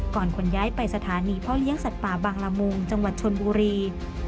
ขนย้ายไปสถานีพ่อเลี้ยงสัตว์ป่าบางละมุงจังหวัดชนบุรี